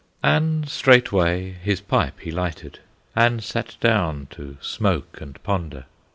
And straightway his pipe he lighted, And sat down to smoke and ponder.